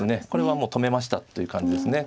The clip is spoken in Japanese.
これはもう止めましたという感じです。